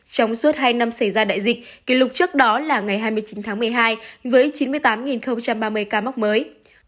trong suốt hai năm xảy ra đại dịch kỷ lục trước đó là ngày hai mươi chín tháng một mươi hai với chín mươi tám ba mươi ca mắc mới